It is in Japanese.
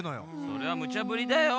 それはムチャぶりだよ。